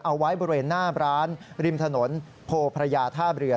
เอาไว้บริเวณหน้าร้านริมถนนโพพระยาท่าเรือ